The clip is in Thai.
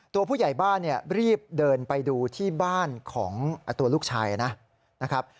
ตัวผู้ใหญ่บ้านรีบเดินไปดูที่บ้านของตัวลูกชายนะครับ